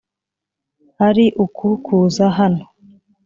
ari uku kuza hano